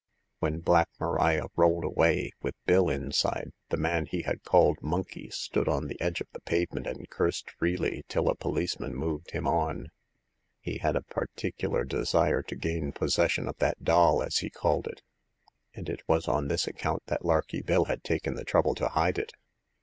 When Black Maria rolled away with Bill in side, the man he had called Monkey stood on the edge of the pavement and cursed freely till a policeman moved him on. He had a particular desire to gain possession of that doll, as he called it ; and it was on this account that Larky Bill had taken the trouble to hide it.